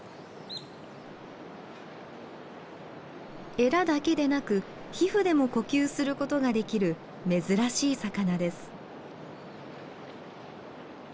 エラだけでなく皮膚でも呼吸することができる珍しい魚です。